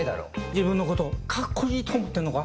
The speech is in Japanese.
自分のことカッコいいと思ってるのか？